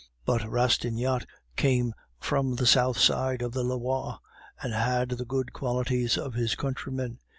But Rastignac came from the South side of the Loire, and had the good qualities of his countrymen.